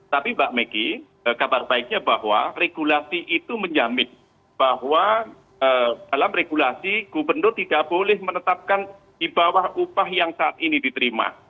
tapi mbak megi kabar baiknya bahwa regulasi itu menjamin bahwa dalam regulasi gubernur tidak boleh menetapkan di bawah upah yang saat ini diterima